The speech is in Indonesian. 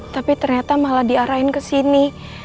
tapi ternyata malah diarahin ke sini